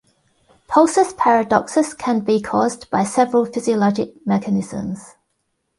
Pulsus paradoxus can be caused by several physiologic mechanisms.